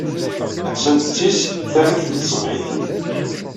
Attan d tis tamet n tṣebḥit.